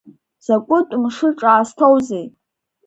Закәытә мшы ҿаасҭоузеи!